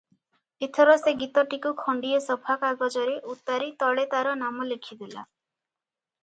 ଏଥର ସେ ଗୀତଟିକୁ ଖଣ୍ଡିଏ ସଫା କାଗଜରେ ଉତାରି ତଳେ ତାର ନାମ ଲେଖିଦେଲା-